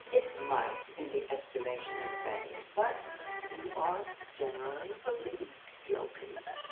"It might, in the estimation of many. But, you are generally believed guilty.